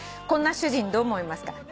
「こんな主人どう思いますか？